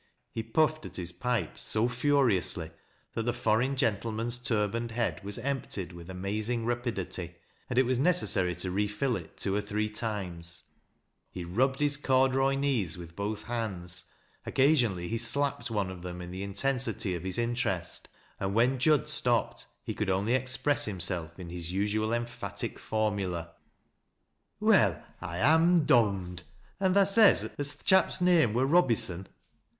He puffed at Lis pipe so furiously that the foreign gentleman's turbanef) Iicad was emptied with amazing rapidity, and it was i^ec Bssary to refill it two or three times ; he rubbed his cordu roy knees with both hands, occasionally he slapped one of Ihem in the intensity of his interest, and when Ju<i stopped he could o'lly express himself in his usual em phatic formula — 162 THAT LASS 0' LOWBIB'B. " Well, I am dom'd. ' An' tha eays, as th' shap's namt wur Eobyson